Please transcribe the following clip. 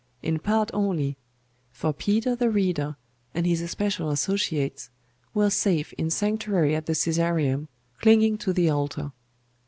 In part only. For Peter the Reader, and his especial associates, were safe in sanctuary at the Caesareum, clinging to the altar.